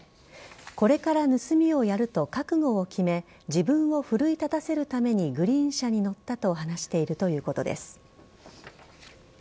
これから盗みをやると覚悟を決め自分を奮い立たせるためにグリーン車に乗ったと話しているということです。